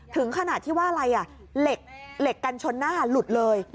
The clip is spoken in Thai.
ถึงขนาดที่อะไรอะเหล็กแกนชนหน้าหลุ่นเลย